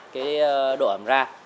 cái độ ẩm ra